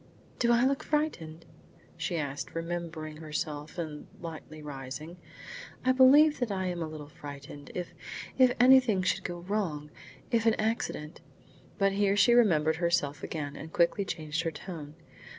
"Do I look frightened?" she asked, remembering herself and lightly rising. "I believe that I am a little frightened. If if anything should go wrong! If an accident " But here she remembered herself again and quickly changed her tone.